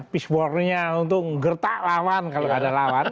peace war nya untuk nggerta lawan kalau nggak ada lawan